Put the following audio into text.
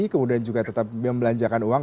kemudian juga tetap membelanjakan uang